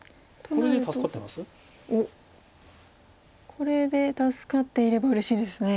これで助かっていればうれしいですね。